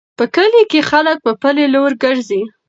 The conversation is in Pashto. په کلي کې خلک په پلي لارو ګرځي.